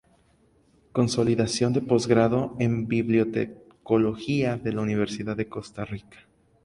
Consolidación del Posgrado en Bibliotecología de la Universidad de Costa Rica.